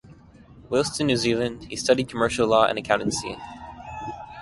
Whilst in New Zealand he studied commercial law and accountancy.